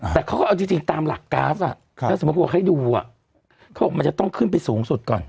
แต่เขาก็เอาจริงตามหลักกราฟถ้าสมมุติบอกให้ดูเขาบอกมันจะต้องขึ้นไปสูงสุดก่อน